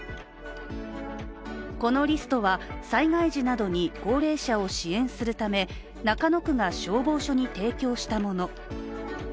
このリストは、災害時などに高齢者を支援するため中野区が消防署に提供したもの。